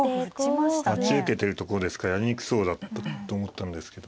待ち受けてるところですからやりにくそうだと思ったんですけど。